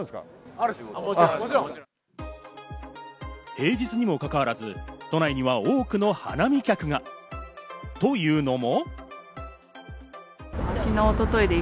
平日にもかかわらず都内には多くの花見客が。というのも。